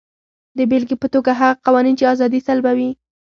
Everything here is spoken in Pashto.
د بېلګې په توګه هغه قوانین چې ازادي سلبوي.